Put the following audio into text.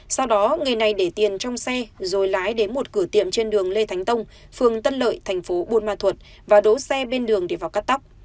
sau đó người này để tiền trong xe rồi lái đến một cửa tiệm trên đường lê thánh tông phường tân lợi thành phố buôn ma thuột và đỗ xe bên đường để vào cắt tóc